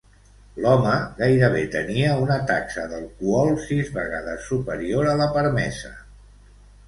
L'home gairebé tenia una taxa d'alcohol sis vegades superior a la permesa.